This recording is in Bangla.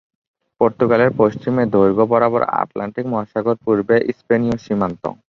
পর্তুগালের পশ্চিমে দৈর্ঘ্য বরাবর আটলান্টিক মহাসাগর, পূর্বে স্পেনীয় সীমান্ত।